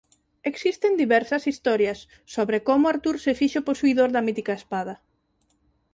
Existen diversas historias sobre como Artur se fixo posuidor da mítica espada.